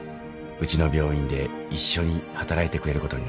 うちの病院で一緒に働いてくれることになりました。